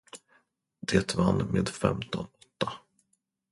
Det vann med femton åtta.